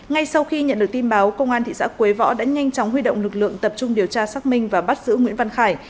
ngay sau khi nhận được tin báo công an thị xã quế võ đã nhanh chóng huy động lực lượng tập trung điều tra xác minh và bắt giữ nguyễn văn khải